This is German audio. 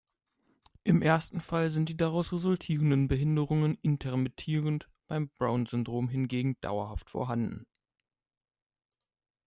Im ersten Fall sind die daraus resultierenden Behinderungen intermittierend, beim Brown-Syndrom hingegen dauerhaft vorhanden.